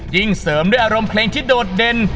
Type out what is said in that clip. เสริมด้วยอารมณ์เพลงที่โดดเด่น